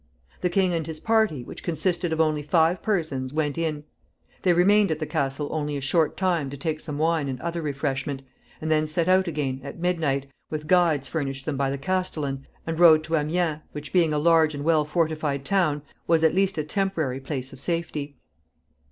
The king and his party, which consisted of only five persons, went in. They remained at the castle only a short time to take some wine and other refreshment, and then set out again, at midnight, with guides furnished them by the castellan, and rode to Amiens, which, being a large and well fortified town, was at least a temporary place of safety.